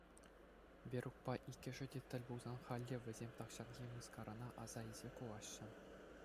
Верукпа иккӗшӗ тӗл пулсан, халь те вӗсем тахҫанхи мыскарана аса илсе кулаҫҫӗ.